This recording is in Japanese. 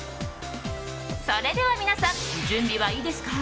それでは皆さん準備はいいですか？